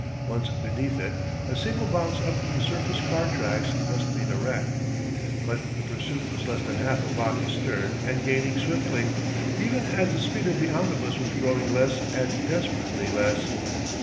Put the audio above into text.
Once beneath it a single bounce up from the surface car tracks must mean a wreck. But the pursuit was less than half a block astern and gaining swiftly, even as the speed of the omnibus was growing less and desperately less.